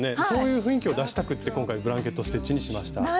そういう雰囲気を出したくって今回ブランケット・ステッチにしました。